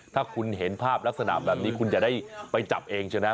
ถ้าคุณเห็นภาพลักษณะแบบนี้คุณจะได้ไปจับเองใช่ไหม